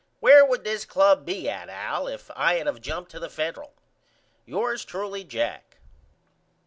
Where would this club be at Al if I had of jumped to the Federal? Yours truly, JACK.